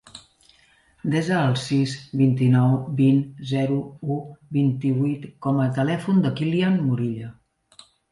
Desa el sis, vint-i-nou, vint, zero, u, vint-i-vuit com a telèfon del Kilian Morilla.